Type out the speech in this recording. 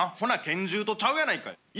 ほな拳銃とちゃうやないかい。